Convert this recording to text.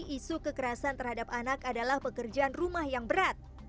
isu kekerasan terhadap anak adalah pekerjaan rumah yang berat